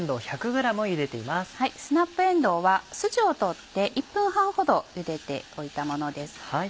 スナップえんどうは筋を取って１分半ほどゆでておいたものです。